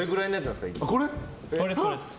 これです。